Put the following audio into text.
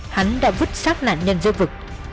hắn đã vứt sát nạn nhân dưới vực